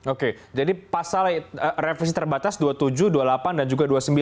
oke jadi pasal revisi terbatas dua puluh tujuh dua puluh delapan dan juga dua puluh sembilan